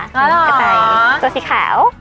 ชินเป็นตัวสีขาว